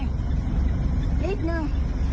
นิดหนึ่ง